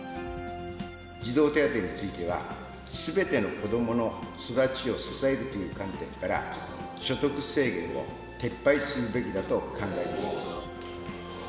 児童手当については、すべての子どもの育ちを支えるという観点から、所得制限を撤廃するべきだと考えています。